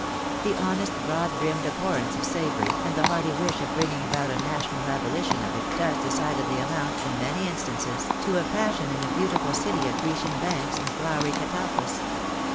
The honest broad brimmed abhorrence of slavery, and the hearty wish of bringing about a national abolition of it, does decidedly amount, in many instances, to a passion in the beautiful city of Grecian Banks, and flowery Catalpas.